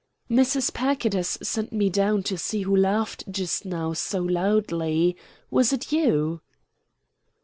"Mrs. Packard has sent me down to see who laughed just now so loudly. Was it you?"